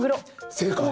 正解。